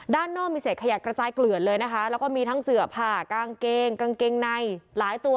ด้านนอกมีเศษขยะกระจายเกลือดเลยนะคะแล้วก็มีทั้งเสือผ่ากางเกงกางเกงในหลายตัว